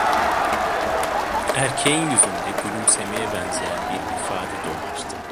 Erkeğin yüzünde gülümsemeye benzeyen bir ifade dolaştı.